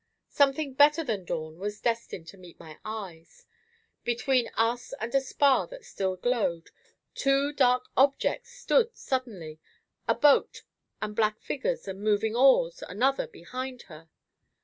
Something better than dawn was destined to meet my eyes; between us and a spar that still glowed, two dark objects stood suddenly—a boat and black figures and moving oars, another behind her.